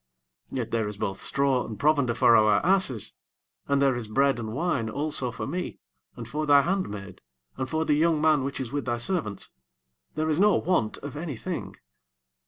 19 Yet there is both straw and provender for our asses; and there is bread and wine also for me, and for thy handmaid, and for the young man which is with thy servants: there is no want of any thing.